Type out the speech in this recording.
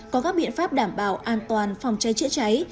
có các biện pháp đảm bảo an toàn phòng cháy chữa cháy